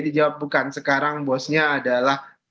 dijawab bukan sekarang bosnya adalah